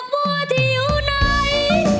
บัวที่อยู่ไหน